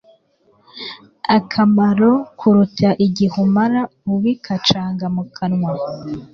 akamaro kuruta igihe umara ubikacanga mu kanwa